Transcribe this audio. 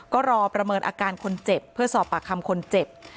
ก็รอประเมินอาการคนเจ็บเพื่อสอบปากคำคนเจ็บ